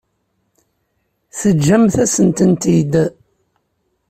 Teǧǧamt-asen-tent-id.